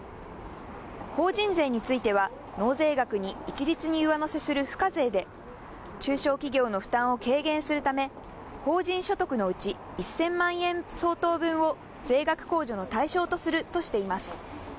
法人税については、納税額に一律に上乗せする付加税で、中小企業の負担を軽減するため、法人所得のうち１０００万円相当分を税額控除の対象とするとしています。